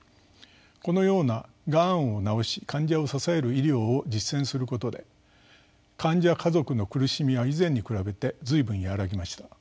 このような「がんを治し患者を支える医療」を実践することで患者家族の苦しみは以前に比べて随分和らぎました。